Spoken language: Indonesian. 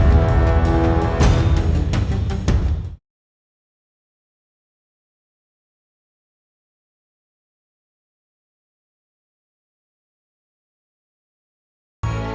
gue bisa bebasin untuk tuntutan papa